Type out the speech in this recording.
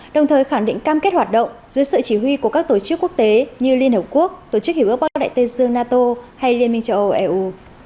đồng thời khẳng định cam kết hoạt động dưới sự chỉ huy của các tổ chức quốc tế như liên hợp quốc tổ chức hiểu ước bắc đại tây dương nato hay liên minh châu âu eu